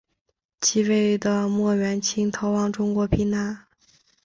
继位的莫元清逃往中国避难。